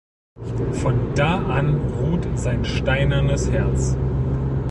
Von da an ruht sein steinernes Herz.